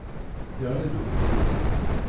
Iɣelli-d ugeffur.